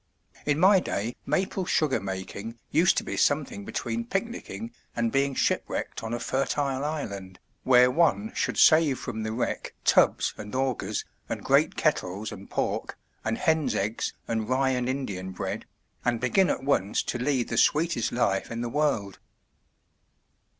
In my day maple sugar making used to be something between picnicking and being shipwrecked on a fertile island, where one should save from the wreck tubs and augurs, and great kettles and pork, and hen's eggs and rye and Indian bread, and begin at once to lead the sweetest life in the world.